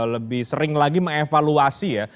lebih sering lagi mengevaluasi ya